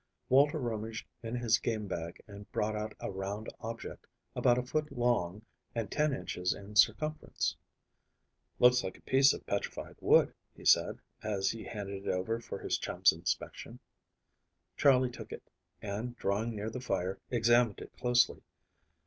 Walter rummaged in his game bag and brought out a round object, about a foot long and ten inches in circumference. "Looks like a piece of petrified wood," he said, as he handed it over for his chum's inspection. Charley took it, and, drawing near the fire, examined it closely.